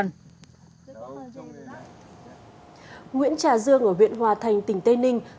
nguyễn trà dương ở huyện hòa thành tỉnh tây ninh